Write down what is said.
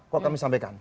kalau kami sampaikan